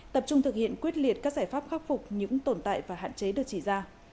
tập trung thực hiện quyết liệt các giải pháp khắc phục những tồn tại và hạn chế được chỉ ra